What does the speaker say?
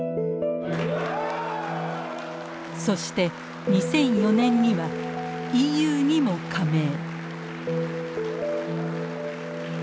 そして２００４年にはＥＵにも加盟。